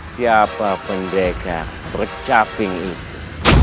siapa pendekar bercapi itu